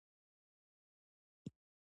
پښتانه پوهيږي، چې ښځې د دوی ملکيت نه دی